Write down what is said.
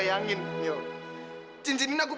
jangan tinggalin aku